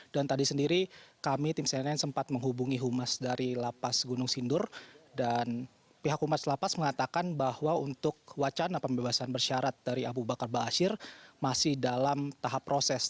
dan tadi sendiri kami tim cnn sempat menghubungi humas dari lapas gunung sindur dan pihak humas lapas mengatakan bahwa untuk wacana pembebasan bersyarat dari abu bakar ba'asyir masih dalam tahap proses